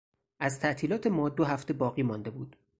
از تعطیلات ما دو هفته باقی مانده بود.